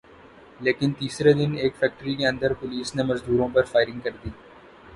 لیکن تیسرے دن ایک فیکٹری کے اندر پولیس نے مزدوروں پر فائرنگ کر دی